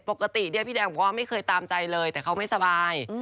ปกติพี่แดงก็ไม่เคยตามใจเลยแต่เขาไม่สบาย